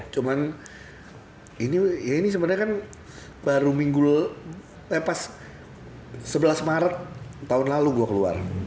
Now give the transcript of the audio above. cuman ini sebenernya kan baru minggu eh pas sebelas maret tahun lalu gue keluar